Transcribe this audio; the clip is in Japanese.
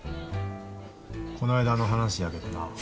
この間の話やけどな。